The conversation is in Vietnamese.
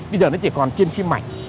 bây giờ nó chỉ còn trên phim mạch